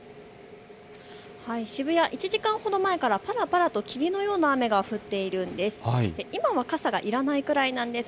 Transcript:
渋谷、１時間ほど前からぱらぱらと霧のような雨が降っているんです。